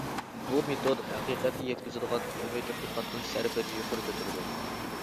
بۇ مېتود ھەقىقەتكە يەتكۈزىدىغان ئىلمىي تەتقىقاتنىڭ شەرىپىنى يۇقىرى كۆتۈرىدۇ.